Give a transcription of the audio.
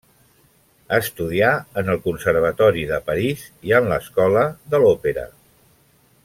Estudià en el Conservatori de París i en l'escola de l'Òpera.